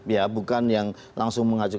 ya bukan yang langsung mengacu